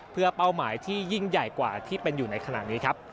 เพื่อเป้าหมายที่ยิ่งใหญ่กว่าที่เป็นอยู่ในขณะนี้ครับ